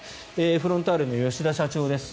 フロンターレの吉田社長です。